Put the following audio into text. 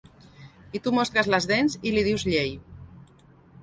I tu mostres les dents i li dius llei.